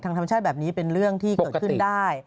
ธรรมชาติแบบนี้เป็นเรื่องที่เกิดขึ้นได้